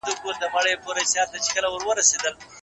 آیا حکومت د امنیت د خوندي کولو هڅه کوي؟